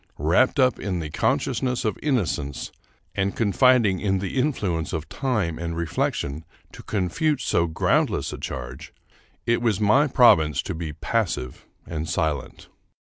Wrapped up in the conscious ness of innocence, and confiding in the influence of time and reflection to confute so groundless a charge, it was my province to be passive and silent.